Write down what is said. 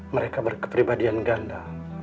mereka berkepribadian ganda